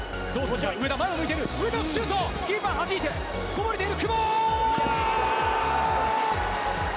上田シュート、キーパーはじいて、こぼれている、久保。